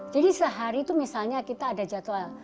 jadi sehari itu misalnya kita ada jadwal